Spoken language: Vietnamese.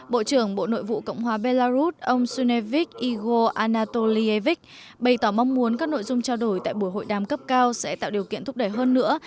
bộ trưởng bộ nội vụ cộng hòa belarus ông sunavich igo anatolievich bày tỏ mong muốn các nội dung trao đổi tại buổi hội đàm cấp cao sẽ tạo điều kiện thúc đẩy hơn nữa